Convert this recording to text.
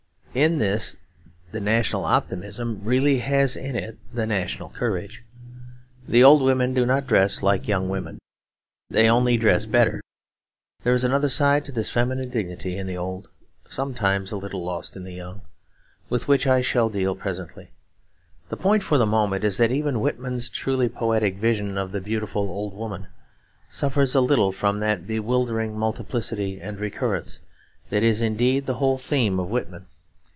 In this the national optimism really has in it the national courage. The old women do not dress like young women; they only dress better. There is another side to this feminine dignity in the old, sometimes a little lost in the young, with which I shall deal presently. The point for the moment is that even Whitman's truly poetic vision of the beautiful old women suffers a little from that bewildering multiplicity and recurrence that is indeed the whole theme of Whitman.